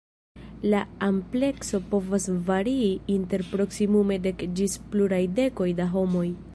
La amplekso povas varii inter proksimume dek ĝis pluraj dekoj da homoj.